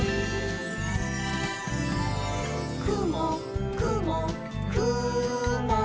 「くもくもくも」